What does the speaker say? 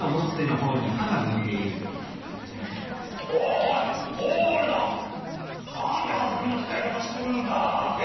おいゴールド。なんてハサミのつかいかたしてるんだ。え？